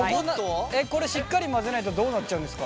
これしっかり混ぜないとどうなっちゃうんですか？